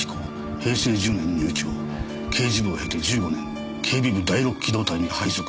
平成１０年入庁刑事部を経て１５年警備部第六機動隊に配属。